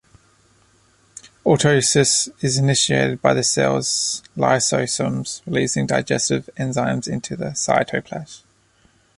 Autolysis is initiated by the cells' lysosomes releasing digestive enzymes into the cytoplasm.